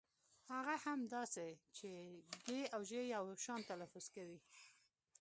هغه هم داسې چې ږ او ژ يو شان تلفظ کوي.